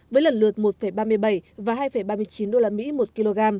với lần lượt một ba mươi bảy và hai ba mươi chín usd một kg